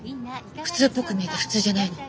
普通っぽく見えて普通じゃないの。